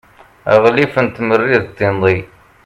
aɣlif n tmerrit d tinḍi